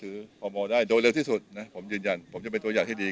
พมได้โดยเร็วที่สุดนะผมยืนยันผมจะเป็นตัวอย่างที่ดี